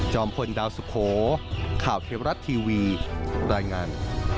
พลดาวสุโขข่าวเทวรัฐทีวีรายงาน